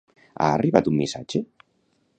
Ha arribat un missatge?